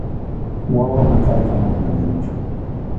Wawa maqayqa manam allinchu.